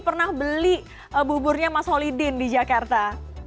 pernah beli buburnya mas holy dean di jakarta